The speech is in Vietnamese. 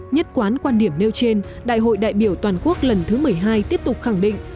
nhất quán quan điểm nêu trên đại hội đại biểu toàn quốc lần thứ một mươi hai tiếp tục khẳng định